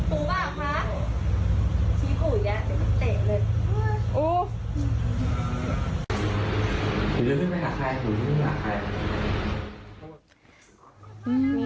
ปูปูมากค่ะชี้ผูอีกแล้วเดี๋ยวมันเตะเลย